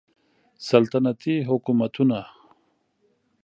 سلطنتي حکومتونه